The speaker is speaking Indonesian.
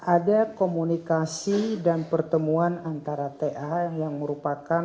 ada komunikasi dan pertemuan dengan ternyata tidak hanya dari tangerang atau dari tangerang